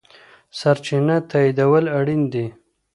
سرچینه تاییدول اړین دي.